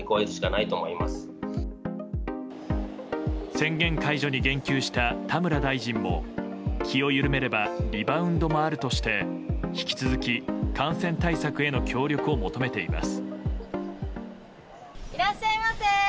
宣言解除に言及した田村大臣も気を緩めればリバウンドもあるとして引き続き、感染対策への協力を求めています。